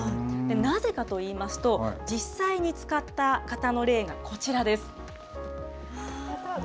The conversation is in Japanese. なぜかといいますと、実際に使った方の例がこちらです。